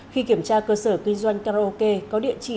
khi kiểm tra cơ sở kinh doanh karaoke có địa chỉ